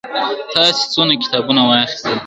تاسي څونه کتابونه واخیستل؟